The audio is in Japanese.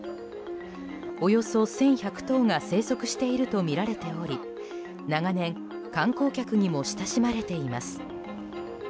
およそ１１００頭が生息しているとみられており長年、観光客にも親しまれています。